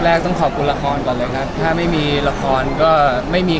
ต้องขอบคุณละครก่อนเลยครับถ้าไม่มีละครก็ไม่มี